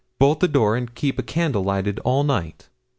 bolt the door and keep a candle lighted all night.